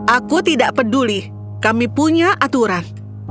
aku tidak peduli kami punya aturan